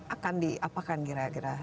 akan diapakan kira kira